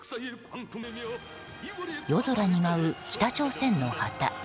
夜空に舞う北朝鮮の旗。